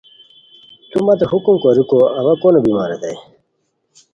تو مت حکم کوریکو اوا کونو بیمان ریتائے